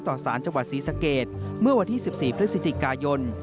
สารจังหวัดศรีสะเกดเมื่อวันที่๑๔พฤศจิกายน